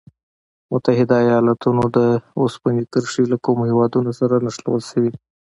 متحد ایلاتونو د اوسپنې کرښې له کومو هېوادونو سره نښلول شوي؟